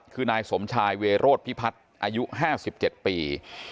คือนายสมชายเวโรธพิพัฒน์อายุ๕๗ปี